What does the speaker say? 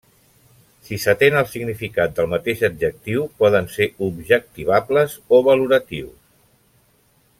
Si s'atén al significat del mateix adjectiu, poden ser objectivables o valoratius.